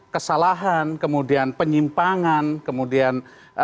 kesalahan kemudian penyimpangan kemudian